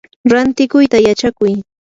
rantikuyta yachakuy.